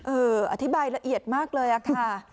อธิบายละเอียดมากเลยค่ะ